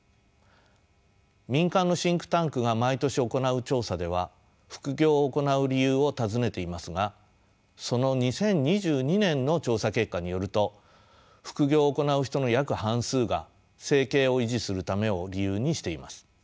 民間のシンクタンクが毎年行う調査では副業を行う理由を尋ねていますがその２０２２年の調査結果によると副業を行う人の約半数が生計を維持するためを理由にしています。